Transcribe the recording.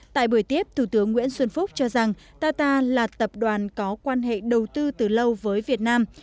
tại buổi tiếp thủ tướng nguyễn xuân phúc cho rằng qatar là tập đoàn có quan hệ đầu tư từ lâu với việt nam